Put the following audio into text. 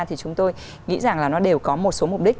thì chúng tôi nghĩ rằng là nó đều có một số mục đích